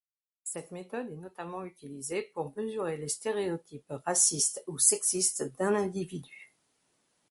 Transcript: Cette méthode est notamment utilisée pour mesurer les stéréotypes racistes ou sexistes d'un individu.